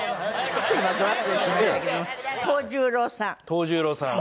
藤十郎さん。